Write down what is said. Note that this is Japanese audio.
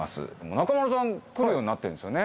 中丸さん来るようになってるんですよね？